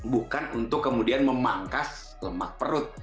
bukan untuk kemudian memangkas lemak perut